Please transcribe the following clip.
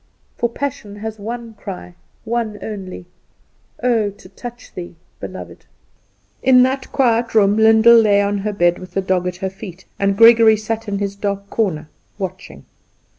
For passion has one cry, one only "Oh, to touch thee, Beloved!" In that quiet room Lyndall lay on the bed with the dog at her feet, and Gregory sat in his dark corner watching.